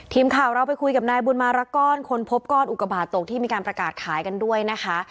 ทีมข่าวเราไปคุยกับนายบุญมารกรคนพบก้อนอุกบาทตกที่มีการประกาศขายกันด้วยนะคะ